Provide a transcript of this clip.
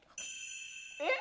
えっ？